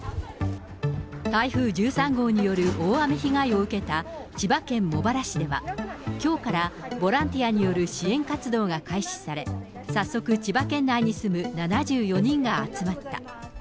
台風１３号による大雨被害を受けた千葉県茂原市では、きょうからボランティアによる支援活動が開始され、早速、千葉県内に住む７４人が集まった。